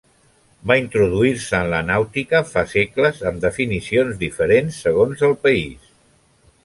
Va introduir-se en la nàutica fa segles amb definicions diferents segons el país.